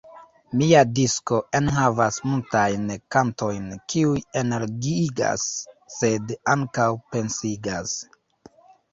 Mia disko enhavas multajn kantojn, kiuj energiigas, sed ankaŭ pensigas.